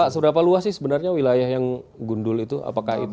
seberapa luas sih sebenarnya wilayah yang gundul itu apakah itu